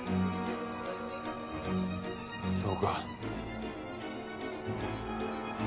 そうか。